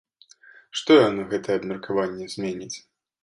Што яно, гэтае абмеркаванне, зменіць?